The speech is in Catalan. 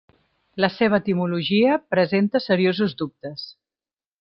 La seva etimologia presenta seriosos dubtes.